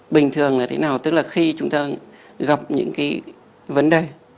bình thường là thế nào tức là khi chúng ta gặp những cái vấn đề